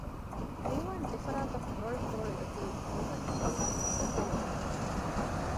މިއުވާން ދެފަރާތަށް ފުރޮޅި ފުރޮޅި އޮތީ ލޮލަށް ނިދީގެ އަސަރު ވެރިނުވާތީ